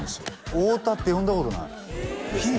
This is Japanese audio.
太田って呼んだことないですねピー？